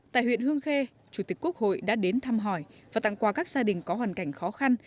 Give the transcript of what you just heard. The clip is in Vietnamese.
tại huyện hương khê chủ tịch quốc hội đã đến thăm hỏi và tặng quà các gia đình có hoàn cảnh khó khăn